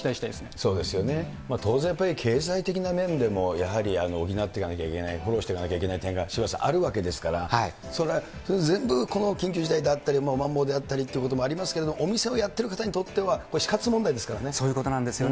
そうですよね、当然やっぱり経済的な面でも、やはり補っていかなきゃいけない、フォローしていかなきゃいけない点が渋谷さん、あるわけですから、それは、それを全部緊急事態であったり、まん防であったりなどありますけれども、お店をやってる方にとっそういうことなんですよね。